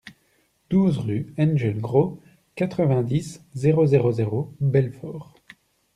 douze rue Engel Gros, quatre-vingt-dix, zéro zéro zéro, Belfort